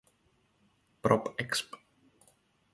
Prop.exp.